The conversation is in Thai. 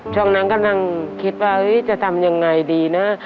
ช่วงนั้นกำลังคิดว่าจะทำยังไงดีนะ